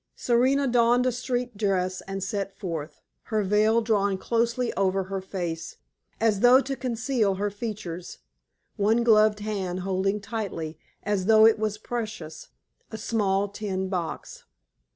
Serena donned a street dress and set forth, her veil drawn closely over her face, as though to conceal her features, one gloved hand holding tightly, as though it was precious, a small tin box.